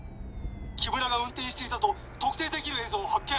木村が運転していたと特定できる映像を発見！